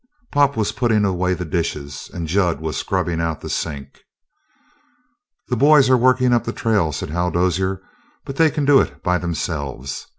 Pop was putting away the dishes, and Jud was scrubbing out the sink. "The boys are working up the trail," said Hal Dozier, "but they can do it by themselves.